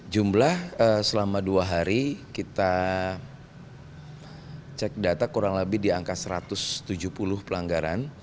jumlah selama dua hari kita cek data kurang lebih di angka satu ratus tujuh puluh pelanggaran